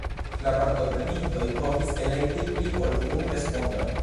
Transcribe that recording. La partoprenintoj povis elekti pli ol unu respondon.